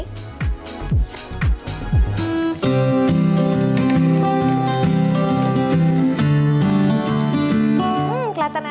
hmm kelihatan enak ya